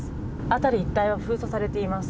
辺り一帯は封鎖されています。